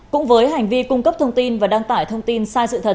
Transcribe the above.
cũng với hành vi cung cấp thông tin và đăng tải thông tin sai sự thật